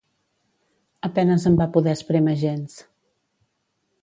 A penes en va poder esprémer gens.